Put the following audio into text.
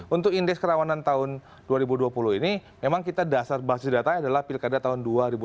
untuk indeks kerawanan tahun dua ribu dua puluh ini memang kita dasar basis datanya adalah pilkada tahun dua ribu dua puluh